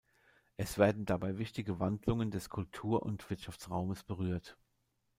Es werden dabei wichtige Wandlungen des Kultur- und Wirtschaftsraumes berührt.